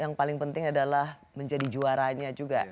yang paling penting adalah menjadi juaranya juga